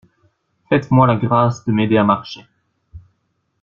Faites-moi la grâce de m'aider à marcher.